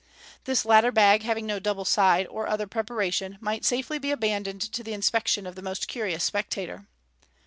This latter bag having no double side, or other preparation, might safely be abandoned to the inspection of the most curious spectator.